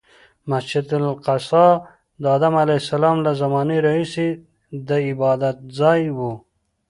مسجد الاقصی د ادم علیه السلام له زمانې راهیسې د عبادتځای و.